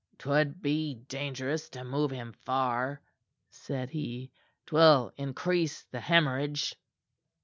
"'Twould be dangerous to move him far," said he. "'Twill increase the hemorrhage."